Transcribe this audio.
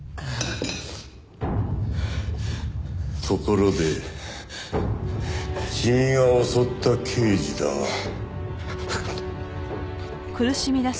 ところで君が襲った刑事だが。